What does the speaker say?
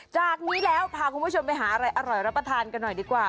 จากนี้แล้วพาคุณผู้ชมไปหาอะไรอร่อยรับประทานกันหน่อยดีกว่า